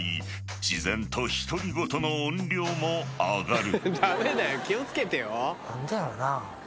［自然と独り言の音量も上がる］